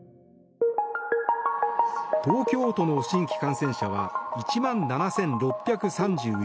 東京都の新規感染者は１万７６３１人。